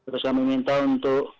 terus kami minta untuk